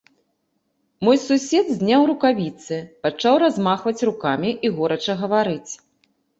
Мой сусед зняў рукавіцы, пачаў размахваць рукамі і горача гаварыць.